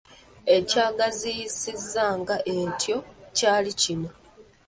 Ekyagiyisisanga etyo kyali kino